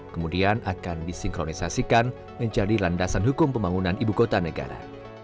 kemudian akan disinkronisasikan menjadi landasan hukum pembangunan ibu kota negara